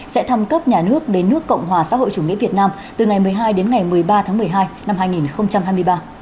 sẽ thăm cấp nhà nước đến nước cộng hòa xã hội chủ nghĩa việt nam từ ngày một mươi hai đến ngày một mươi ba tháng một mươi hai năm hai nghìn hai mươi ba